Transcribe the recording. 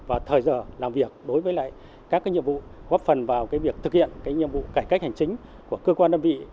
và thời giờ làm việc đối với lại các cái nhiệm vụ góp phần vào cái việc thực hiện cái nhiệm vụ cải cách hành chính của cơ quan đơn vị